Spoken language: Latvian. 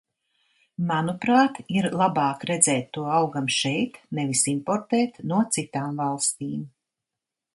Manuprāt, ir labāk redzēt to augam šeit, nevis importēt no citām valstīm.